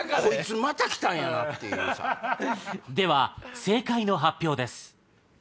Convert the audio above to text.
では正解の発表です。